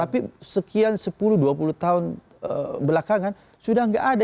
tapi sekian sepuluh dua puluh tahun belakangan sudah tidak ada